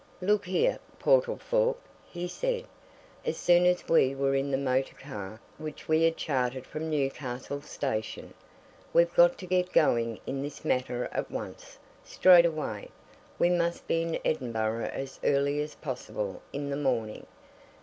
"Look here, Portlethorpe," he said, as soon as we were in the motor car which we had chartered from Newcastle station, "we've got to get going in this matter at once straight away! We must be in Edinburgh as early as possible in the morning.